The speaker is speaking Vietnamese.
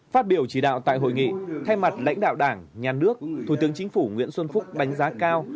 phát biểu chỉ đạo tại hội nghị thay mặt lãnh đạo đảng nhà nước thủ tướng chính phủ nguyễn xuân phúc đánh giá cao